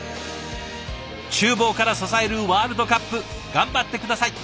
ちゅう房から支えるワールドカップ頑張って下さい。